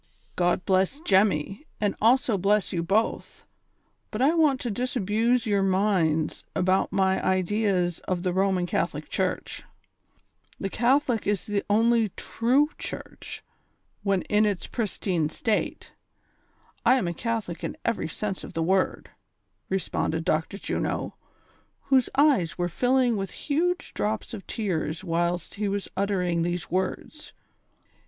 "■ God bless Jemmy, and also bless you both ; but I want to disabuse your minds about my ideas of the Roman Catholic Church ; the Catholic is the only true Church, when in its pristine state ; I am a Catholic in every sense of the word," responded Dr. Juno, whose eyes were filling with huge drops of tears whilst he was uttering these words.